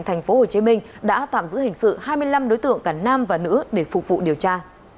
thành phố hồ chí minh đã tạm giữ hình sự hai mươi năm đối tượng cả nam và nữ để phục vụ điều tra